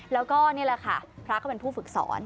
แล้วก็นี่แหละค่ะพระก็เป็นผู้ฝึกสอน